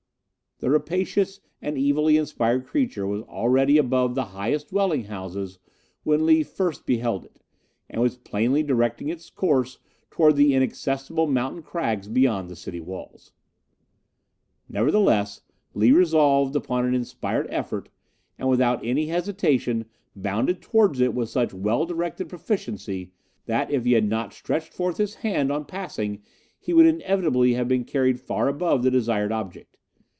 The rapacious and evilly inspired creature was already above the highest dwelling houses when Lee first beheld it, and was plainly directing its course towards the inaccessible mountain crags beyond the city walls. Nevertheless, Lee resolved upon an inspired effort, and without any hesitation bounded towards it with such well directed proficiency, that if he had not stretched forth his hand on passing he would inevitably have been carried far above the desired object.